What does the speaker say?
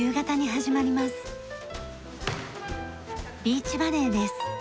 ビーチバレーです。